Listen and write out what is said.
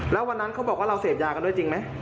แล้ววันนั้นเขาบอกว่าเราเสพยากันด้วยจริงไหม